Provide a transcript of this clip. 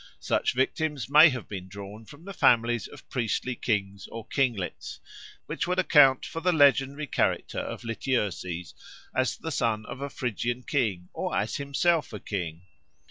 Such victims may have been drawn from the families of priestly kings or kinglets, which would account for the legendary character of Lityerses as the son of a Phrygian king or as himself a king.